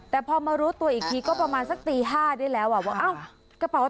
แต่พอมารู้ตัวอีกทีก็ประมาณสักตี๕นาทีได้แล้วอะว่า